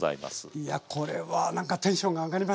いやこれはなんかテンションが上がりますね。